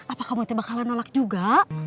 apa kamu bakalan nolak juga